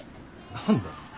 何だよ。